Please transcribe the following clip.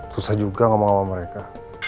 susah juga ngomong sama mereka